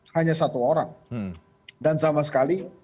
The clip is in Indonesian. hanya satu orang dan sama sekali